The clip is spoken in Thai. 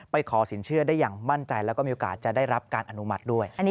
ขอสินเชื่อได้อย่างมั่นใจแล้วก็มีโอกาสจะได้รับการอนุมัติด้วย